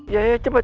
ya ya cepat